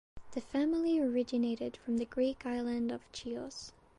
The family originated from the Greek island of Chios.